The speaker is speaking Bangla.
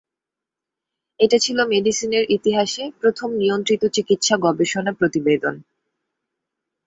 এটা ছিল মেডিসিনের ইতিহাসে প্রথম নিয়ন্ত্রিত চিকিৎসা গবেষণা প্রতিবেদন।